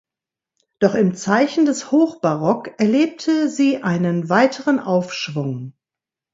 Doch im Zeichen des Hochbarock erlebte sie einen weiteren Aufschwung.